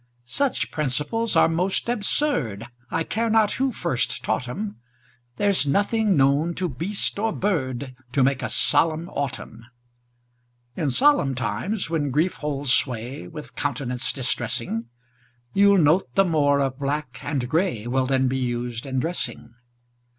Such principles are most absurd, I care not who first taught 'em; There's nothing known to beast or bird To make a solemn autumn. In solemn times, when grief holds sway With countenance distressing, You'll note the more of black and gray Will then be used in dressing.